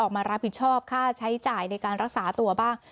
มารับผิดชอบค่าใช้จ่ายในการรักษาตัวบ้าง